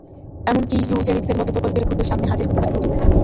এমনকি ইউজেনিক্সের মতো প্রকল্পের ভূতও সামনে হাজির হতে পারে নতুন রূপে।